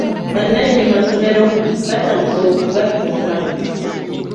Bananyini bamasomero batandise okugatunda.